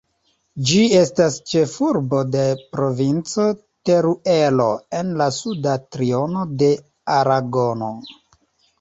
Ĝi estas ĉefurbo de Provinco Teruelo en la suda triono de Aragono.